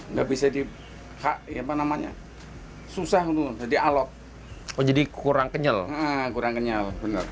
nggak bisa dipakai apa namanya susah untuk dialog menjadi kurang kenyal kurang kenyal